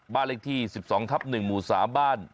บ้านเล็กที่๑๒๑หมู่๓บ้าน